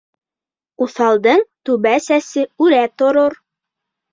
Уҫалдың түбә сәсе үрә торор.